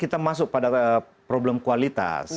kita masuk pada problem kualitas